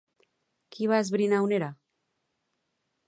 Qui va esbrinar on era?